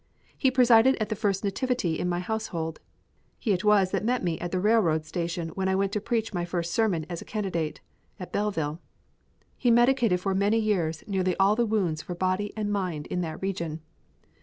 He presided at the first nativity in my household. He it was that met me at the railroad station when I went to preach my first sermon as candidate, at Belleville. He medicated for many years nearly all the wounds for body and mind in that region.